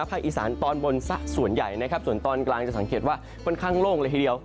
อีสานตอนบนสักส่วนใหญ่นะครับส่วนตอนกลางจะสังเกตว่าค่อนข้างโล่งเลยทีเดียว